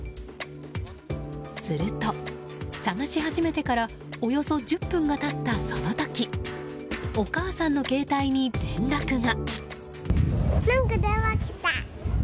すると、捜し始めてからおよそ１０分が経ったその時お母さんの携帯に連絡が。